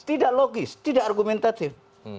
tidak logis tidak argumentatif